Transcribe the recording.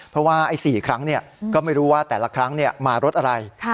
เพราะว่า๔ครั้งก็ไม่รู้ว่าแต่ละครั้งมารถอะไร